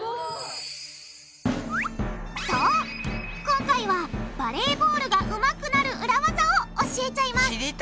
今回はバレーボールがうまくなる裏ワザを教えちゃいます！